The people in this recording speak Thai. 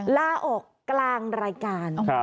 ลาออกกลางรายการ